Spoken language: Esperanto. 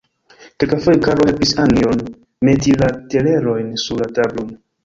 Kelkafoje Karlo helpis Anjon meti la telerojn sur la tablon.